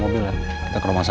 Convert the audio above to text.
tiup lilin ya sekarang juga